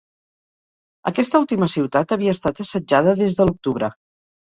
Aquesta última ciutat havia estat assetjada des de l'octubre.